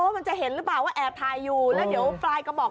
มันจะเห็นหรือเปล่าว่าแอบถ่ายอยู่แล้วเดี๋ยวปลายกระบอก